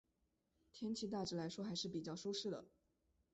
天气大致来说还是比较舒适的。